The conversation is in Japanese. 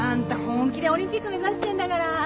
本気でオリンピック目指してんだから。